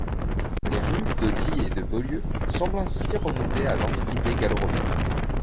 Les rues d'Authie et de Beaulieu semblent ainsi remonter à l’antiquité gallo-romaine.